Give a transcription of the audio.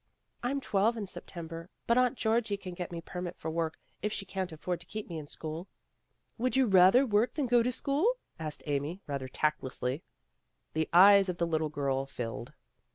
'* "I'm twelve in September, but Aunt Georgie can get permit for me to work, if she can't afford to keep me in school." "Would you rather work than go to school?" asked Amy, rather tactlessly. The eyes of the little girl filled.